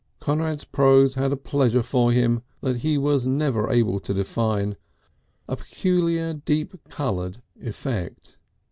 Conrad's prose had a pleasure for him that he was never able to define, a peculiar deep coloured effect.